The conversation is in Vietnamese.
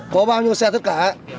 có bao nhiêu xe tất cả